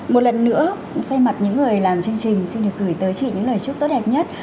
một lần nữa thay mặt những người làm chương trình xin được gửi tới chị những lời chúc tốt đẹp nhất